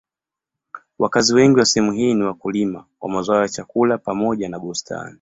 Wakazi wengi wa sehemu hii ni wakulima wa mazao ya chakula pamoja na bustani.